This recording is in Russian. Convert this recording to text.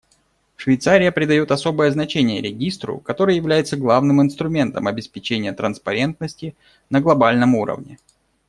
Швейцария придает особое значение Регистру, который является главным инструментом обеспечения транспарентности на глобальном уровне.